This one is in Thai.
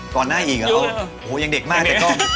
ก่อนหน้าอีกแล้วโหยังเด็กมาก